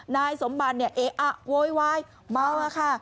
นายสมบัติเนี่ยเออะโวยวายเมาอะค่ะ